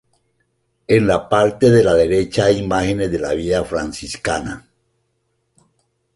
En la parte de la derecha hay imágenes de la vida franciscana.